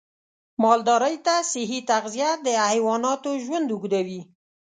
مالدارۍ ته صحي تغذیه د حیواناتو ژوند اوږدوي.